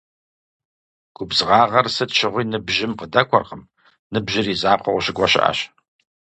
Губзыгъагъэр сыт щыгъуи ныбжьым къыдэкӏуэркъым - ныбжьыр и закъуэу къыщыкӏуэ щыӏэщ.